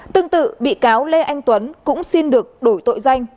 tương tự bị cáo lê anh tuấn cũng xin được đổi tội danh